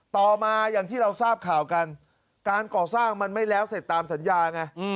ต่อมาอย่างที่เราทราบข่าวกันการก่อสร้างมันไม่แล้วเสร็จตามสัญญาไง